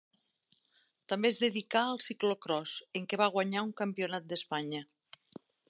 També es dedicà al ciclocròs, en què va guanyar un Campionat d'Espanya.